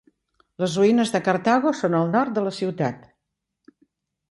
Les ruïnes de Cartago són al nord de la ciutat.